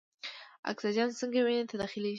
اکسیجن څنګه وینې ته داخلیږي؟